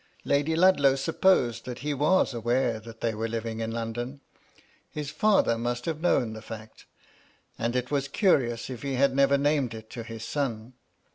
Lady Ludlow sup posed that he was aware that they were living in London. His father must have known the fact, and it was curious if he had never named it to his son.